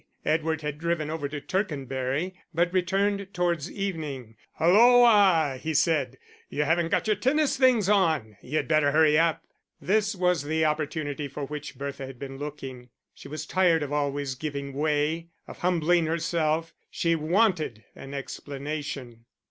Edward had driven over to Tercanbury, but returned towards evening. "Hulloa!" he said, "you haven't got your tennis things on. You'd better hurry up." This was the opportunity for which Bertha had been looking. She was tired of always giving way, of humbling herself; she wanted an explanation.